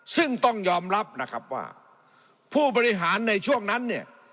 ซึ่งต้องยอมรับนะครับว่าผู้บริหารในช่วงนั้นเนี่ย